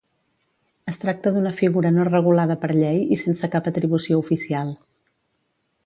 Es tracta d'una figura no regulada per llei i sense cap atribució oficial.